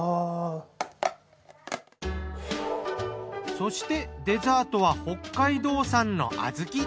そしてデザートは北海道産の小豆。